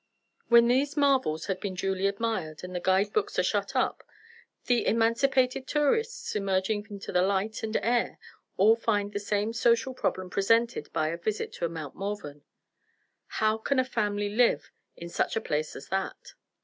When these marvels have been duly admired, and the guide books are shut up, the emancipated tourists, emerging into the light and air, all find the same social problem presented by a visit to Mount Morven: "How can the family live in such a place as that?"